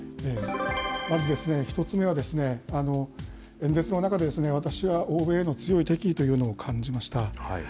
まず１つ目は、演説の中で私は欧米への強い敵意というのを感じました。